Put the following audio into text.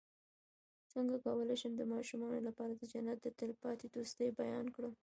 څنګه کولی شم د ماشومانو لپاره د جنت د تل پاتې دوستۍ بیان کړم